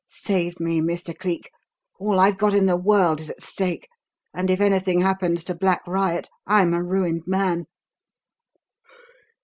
Save me, Mr. Cleek! All I've got in the world is at stake, and if anything happens to Black Riot, I'm a ruined man."